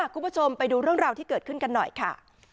คุณผู้ชมไปดูเรื่องราวที่เกิดขึ้นกันหน่อยค่ะ